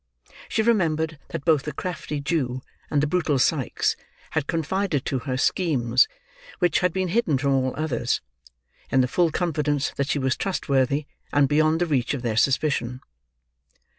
She remembered that both the crafty Jew and the brutal Sikes had confided to her schemes, which had been hidden from all others: in the full confidence that she was trustworthy and beyond the reach of their suspicion.